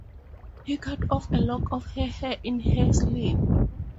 He cut off a lock of her hair in her sleep.